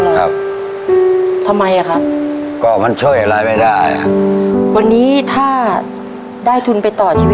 ทับผลไม้เยอะเห็นยายบ่นบอกว่าเป็นยังไงครับ